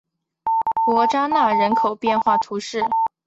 伯扎讷人口变化图示